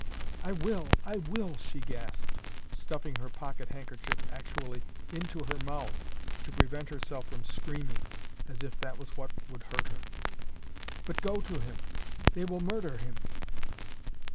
"'I will, I will,' she gasped, stuffing her pocket handkerchief actually into her mouth to prevent herself from screaming, as if that was what would hurt her. 'But go to him. They will murder him.